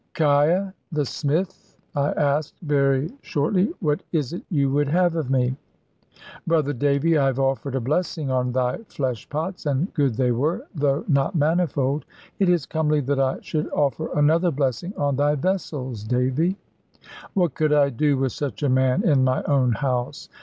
"'Kiah, the smith," I asked, very shortly, "what is it you would have of me?" "Brother Davy, I have offered a blessing on thy flesh pots; and good they were, though not manifold. It is comely that I should offer another blessing on thy vessels, Davy." What could I do with such a man in my own house?